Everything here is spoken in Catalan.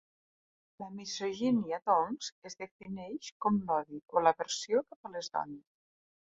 La misogínia doncs es defineix com l'odi o l'aversió cap a les dones.